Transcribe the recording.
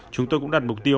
chúng tôi cũng đặt mục tiêu